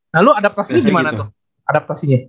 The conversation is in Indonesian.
nah lo adaptasinya gimana tuh adaptasinya